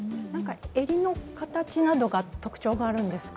襟の形などが、何か特徴があるんですか？